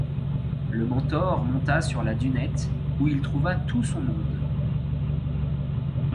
Le mentor monta sur la dunette, où il trouva tout son monde.